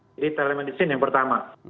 jadi telemedicine yang pertama